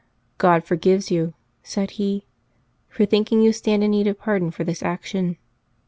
" God forgive you," said he, " for thinking you stand in need of pardon for this action.